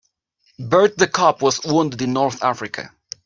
Bert the cop was wounded in North Africa.